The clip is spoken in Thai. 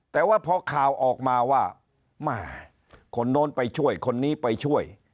แต่ว่าพอข่าวออกมาว่าแม่คนโน้นไปช่วยคนนี้ไปช่วย